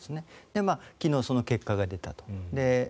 で、昨日、その結果が出たと。